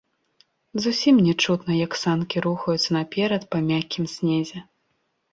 Зусім не чутно, як санкі рухаюцца наперад па мяккім снезе.